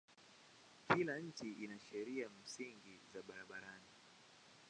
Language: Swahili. Kila nchi ina sheria msingi za barabarani.